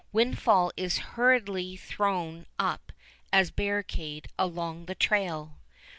Windfall is hurriedly thrown up as barricade along the trail.